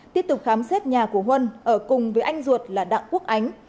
tiếp tục khám xét nhà của huân ở cùng với anh ruột là đặng quốc ánh